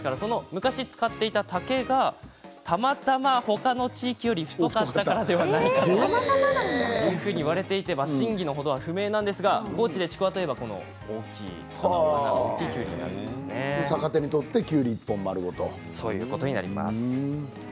昔、使っていた竹がたまたま他の地域よりも太かったのではないかというふうにいわれていて真偽のことは不明なんですが高知で、ちくわといえば逆手にとってそういうことになります。